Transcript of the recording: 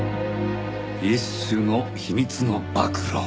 一種の「秘密の暴露」。